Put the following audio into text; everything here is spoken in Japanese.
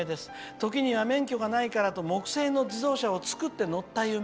時には免許がないからと木製の自動車を作って乗った夢。